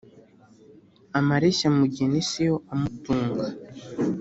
Amareshya mugeni siyo amutunga.